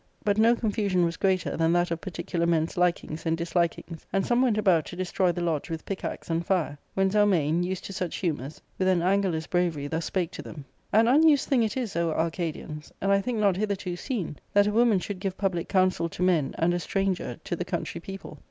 But no confusion was greater than that of particular men's likings and dislikings, and some went about to destroy the lodge with pickaxe and fire, when Zelmane, used to such humours, with an angerless bravery thus spake to them :— "An unused thing it is, O Arcadians, and I think not hitherto seen, that a woman should give public counsel to men, and a stranger to the country people.